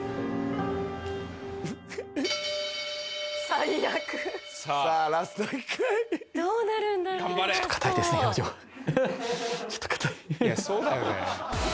最悪さあラスト１回どうなるんだろう？